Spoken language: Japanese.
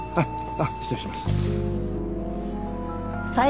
あっ失礼します。